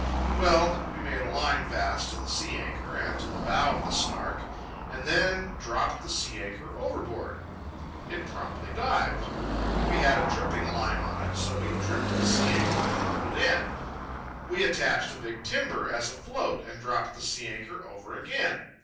Well, we made a line fast to the sea anchor and to the bow of the Snark, and then dropped the sea anchor overboard. It promptly dived. We had a tripping line on it, so we tripped the sea anchor and hauled it in. We attached a big timber as a float, and dropped the sea anchor over again.